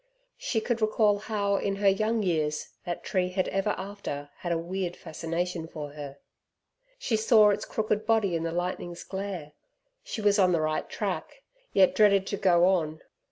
She could recall how in her young years that tree had ever after had a weird fascination for her. She saw its crooked body in the lightning's glare. She was on the right track, yet dreaded to go on.